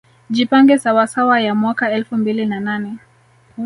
Jipange Sawasawa ya mwaka elfu mbili na nane